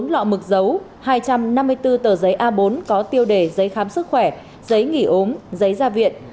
bốn lọ mực dấu hai trăm năm mươi bốn tờ giấy a bốn có tiêu đề giấy khám sức khỏe giấy nghỉ ốm giấy ra viện